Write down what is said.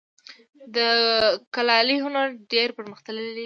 د کلالي هنر ډیر پرمختللی و